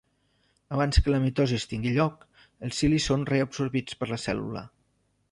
Abans que la mitosi tingui lloc, els cilis són reabsorbits per la cèl·lula.